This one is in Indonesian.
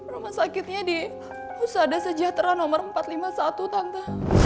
rumah sakitnya di husada sejahtera nomor empat ratus lima puluh satu tante